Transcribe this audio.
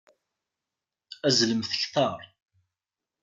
Azzlemt kteṛ!